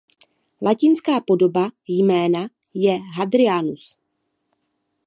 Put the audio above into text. Latinská podoba jména je Hadrianus.